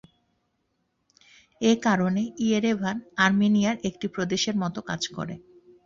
একারণে Yerevan আর্মেনিয়ার একটি প্রদেশের মত কাজ করে।